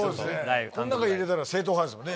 こん中にいたら正統派ですもんね。